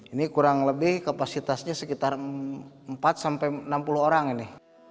ini kurang lebih kapasitasnya sekitar empat sampai enam puluh orang ini